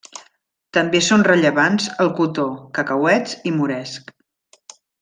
També són rellevants el cotó, cacauets i moresc.